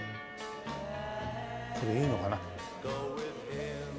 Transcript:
これいいのかな？